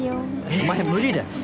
お前無理だよ。